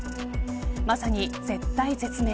まさに絶体絶命。